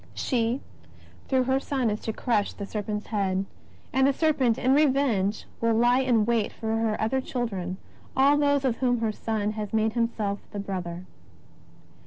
She through her Son is to crush the serpent's head, and the serpent in revenge will lie in wait for her other children, all those of whom her Son has made Himself the Brother.